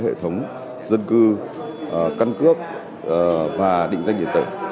ba hệ thống dân cư căn cướp và định danh điện tử